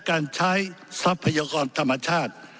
การใช้ทรัพยากรธรรมชาติ